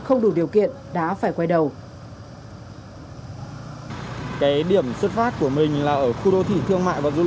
không đủ điều kiện đã phải quay đầu